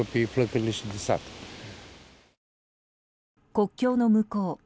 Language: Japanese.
国境の向こう